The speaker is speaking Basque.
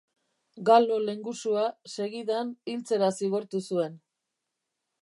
Galo lehengusua segidan hiltzera zigortu zuen.